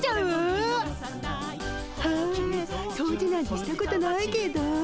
はあ掃除なんてしたことないけど。